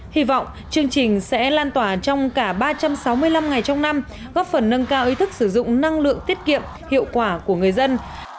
hy vọng chương trình sẽ lan tỏa trong cả ba trăm sáu mươi năm ngày trong năm góp phần nâng cao ý thức sử dụng năng lượng tiết kiệm hiệu quả của người dân